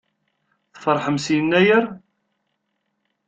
Tfeṛḥem s Yennayer?